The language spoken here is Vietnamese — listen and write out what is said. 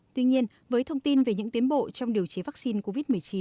tuy nhiên với thông tin về những tiến bộ trong điều chế vaccine covid một mươi chín